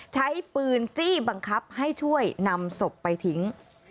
ใช้ปืนจี้บังคับให้ช่วยนำศพไปทิ้ง